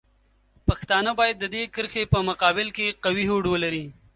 پښتانه باید د دې کرښې په مقابل کې قوي هوډ ولري.